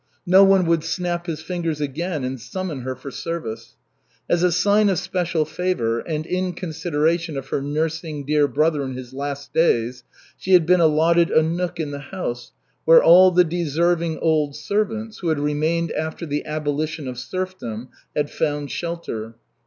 No one would snap his fingers again and summon her for service. As a sign of special favor and in consideration of her "nursing dear brother in his last days," she had been allotted a nook in the house where all the deserving old servants, who had remained after the abolition of serfdom, had found shelter.